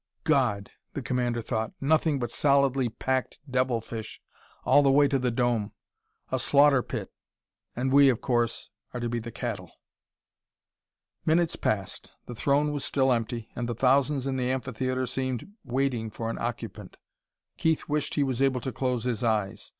"God!" the commander thought. "Nothing but solidly packed devil fish all the way to the dome! A slaughter pit! And we, of course, are to be the cattle!" Minutes passed. The throne was still empty, and the thousands in the amphitheater seemed waiting for an occupant. Keith wished he was able to close his eyes.